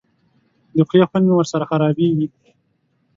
د خولې خوند مې ورسره خرابېږي.